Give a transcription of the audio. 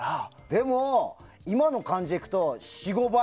でも、今の感じでいくと４５倍。